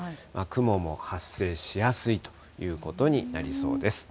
雲も発生しやすいということになりそうです。